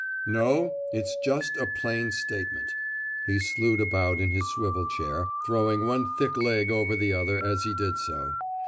"No; it's just a plain statement." He slewed about in his swivel chair, throwing one thick leg over the other as he did so.